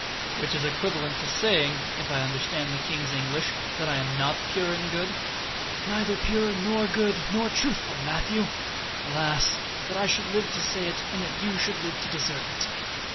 "Which is equivalent to saying, if I understand the king's English, that I am not pure and good?" "Neither pure, nor good, nor truthful, Matthew! Alas! that I should live to say it, and that you should live to deserve it."